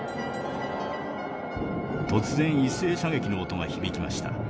「突然一斉射撃の音が響きました。